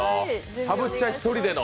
たぶっちゃん１人での。